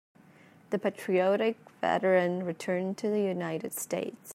The patriotic veteran returned to the United States.